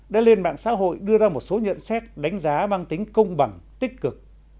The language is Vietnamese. đã lên mạng xã hội đưa ra một số nhận xét đánh giá mang tính công bằng tích cực